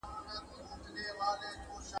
د بدلون لپاره ګام پورته کړئ.